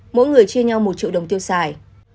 mỗi người chia nhau một triệu đồng tiêu xài